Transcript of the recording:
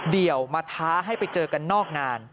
เดี๋ยวมาท้าให้ไปเจอกันนอกงาน